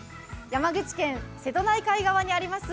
山口県瀬戸内海側にあります